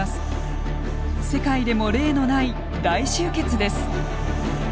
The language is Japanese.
世界でも例のない大集結です。